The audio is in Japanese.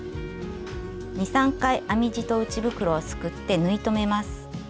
２３回編み地と内袋をすくって縫い留めます。